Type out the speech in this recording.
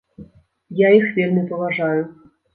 Я іх вельмі паважаю.